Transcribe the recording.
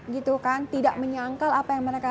gitu kan tidak menyangkal apa yang mereka